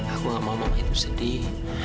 aku gak mau mama itu sedih